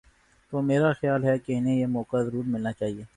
تو میرا خیال ہے کہ انہیں یہ موقع ضرور ملنا چاہیے۔